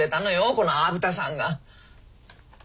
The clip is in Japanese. この虻田さんが。